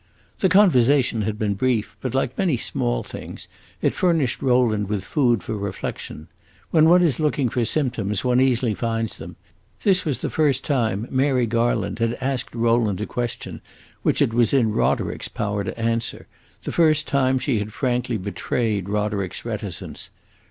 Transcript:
The conversation had been brief, but, like many small things, it furnished Rowland with food for reflection. When one is looking for symptoms one easily finds them. This was the first time Mary Garland had asked Rowland a question which it was in Roderick's power to answer, the first time she had frankly betrayed Roderick's reticence.